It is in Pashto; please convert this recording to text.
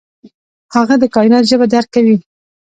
هغه د کائنات ژبه درک کوي.